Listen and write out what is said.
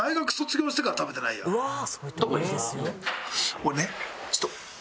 俺ねちょっと。